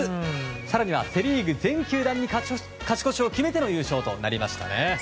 更にはセ・リーグ全球団に勝ち越しを決めての優勝となりましたね。